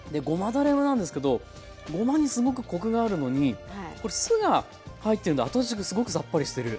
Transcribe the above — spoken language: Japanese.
だれなんですけどごまにすごくコクがあるのにこれ酢が入ってるんで後味がすごくさっぱりしてる。